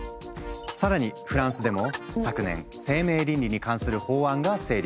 更にフランスでも昨年生命倫理に関する法案が成立。